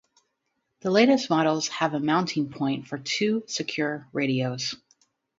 The latest models have a mounting point for two secure radios.